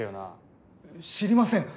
知りません。